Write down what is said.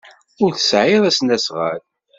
Ur tesɛiḍ asnasɣal.